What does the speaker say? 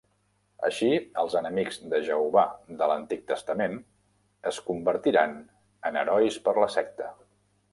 Així, els enemics del Jehovà de l'Antic Testament es convertiran en herois per la secta.